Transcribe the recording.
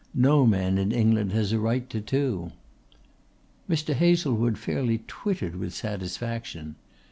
No man in England has a right to two." Mr. Hazlewood fairly twittered with satisfaction.